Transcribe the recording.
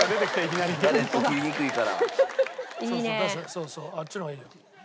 そうそうあっちの方がいいよ。